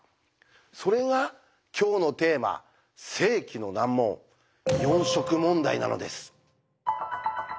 それが今日のテーマ世紀の難問「四色問題」なのです！